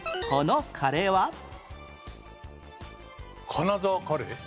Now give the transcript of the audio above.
金沢カレー？